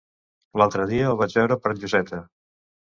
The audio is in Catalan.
L'altre dia el vaig veure per Lloseta.